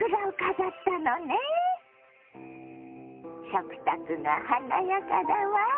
食卓が華やかだわ！